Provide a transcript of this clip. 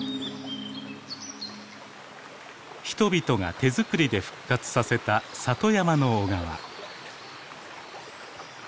人々が手づくりで復活させた里山の小川。